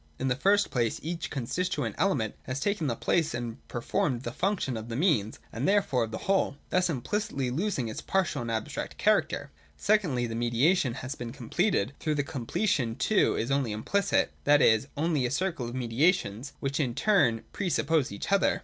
In the first place, each constituent element has taken the place and performed the function of the mean and therefore of the whole, thus implicitly losing its partial and abstract character (§ 182 and § 184) ; secondly, the mediation has been completed (§ 185), though the completion too is only implicit, that is, only as a circle of mediations which in turn pre suppose each other.